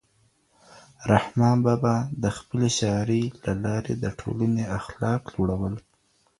رحمان بابا د خپلې شاعرۍ له لارې د ټولنې اخلاق لوړول.